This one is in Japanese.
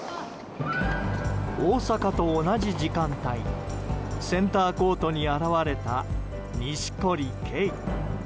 大坂と同じ時間帯センターコートに現れた錦織圭。